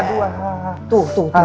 tuh tuh tuh kan